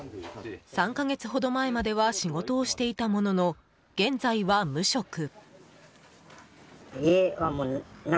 ３か月ほど前までは仕事をしていたものの現在は無職。